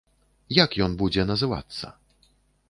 Як ён будзе называцца?